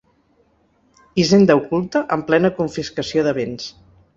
Hisenda oculta en plena confiscació de béns.